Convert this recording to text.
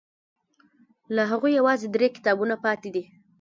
له هغوی یوازې درې کتابونه پاتې دي.